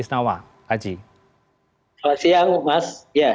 selamat siang mas